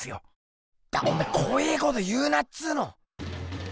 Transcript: だっおめぇこええこと言うなっつうの！